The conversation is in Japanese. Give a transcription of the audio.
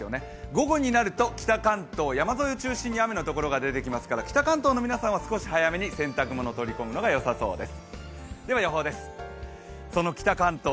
午後になると北関東、山沿いを中心に雨のところが出てきますから北関東の皆さんは少し早めに洗濯物を取り込むのがよさそうです。